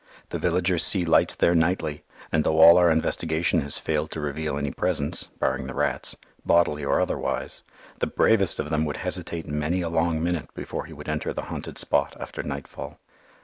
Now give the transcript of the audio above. The villagers see lights there nightly; and though all our investigation has failed to reveal any presence (barring the rats), bodily or otherwise, the bravest of them would hesitate many a long minute before he would enter the haunted spot after nightfall.